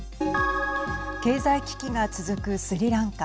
経済危機が続くスリランカ。